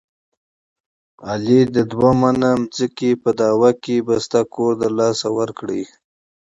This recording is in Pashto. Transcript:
علي د دوه منه ځمکې په دعوه کې بسته کور دلاسه ورکړ.